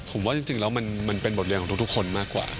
ผมว่าจริงแล้วมันเป็นบทเรียนของทุกคนมากกว่า